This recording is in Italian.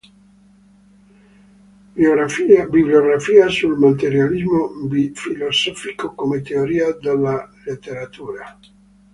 Bibliografia sul Materialismo Filosofico come Teoria della Letteratura